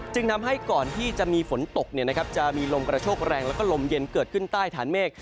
ทำให้ก่อนที่จะมีฝนตกจะมีลมกระโชกแรงแล้วก็ลมเย็นเกิดขึ้นใต้ฐานเมฆ